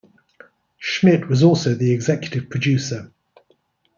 Schmidt was also the executive producer.